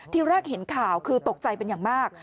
ทีแรกเห็นข่าวคือตกใจเป็นอย่างมาก